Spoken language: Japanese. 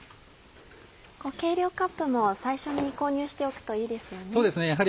計量カップも最初に購入しておくといいですよね。